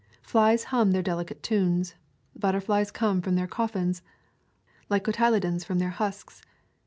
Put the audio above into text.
Flies hum their delicate tunes. Butterflies come from their coffins, like cotyle dons from their husks.